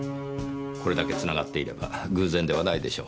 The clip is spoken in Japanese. これだけつながっていれば偶然ではないでしょう。